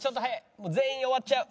もう全員終わっちゃう。